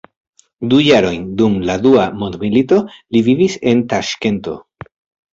Du jarojn dum la Dua mondmilito li vivis en Taŝkento.